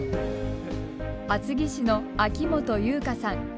厚木市の秋元優香さん。